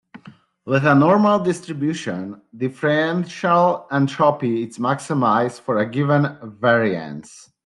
With a normal distribution, differential entropy is maximized for a given variance.